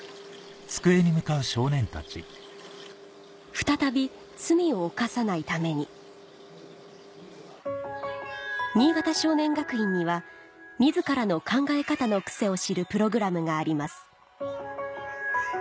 再び罪を犯さないために新潟少年学院には自らの考え方の癖を知るプログラムがあります